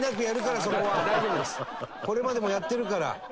これまでもやってるから。